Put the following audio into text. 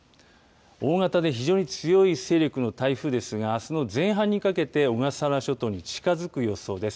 大型で非常に強い勢力の台風ですが、あすの前半にかけて、小笠原諸島に近づく予想です。